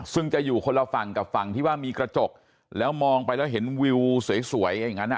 ซึ่งจะอยู่คนละฝั่งกับฝั่งที่ว่ามีกระจกแล้วมองไปแล้วเห็นวิวสวยอย่างนั้น